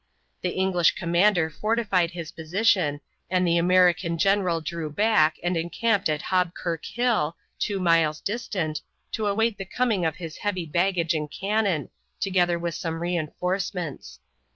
The English commander fortified his position and the American general drew back and encamped on Hobkirk Hill, two miles distant, to await the coming of his heavy baggage and cannon, together with some re enforcements.